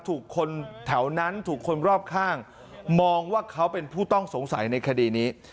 ถูกคนแถวนั้นถูกคนรอบข้างมองว่าเขาเป็นผู้ต้องสงสัยในคดีนี้